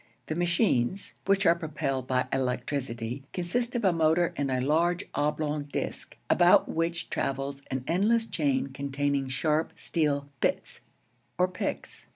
The machines which are propelled by electricity consist of a motor and a large oblong disk, about which travels an endless chain containing sharp steel 'bits' or picks.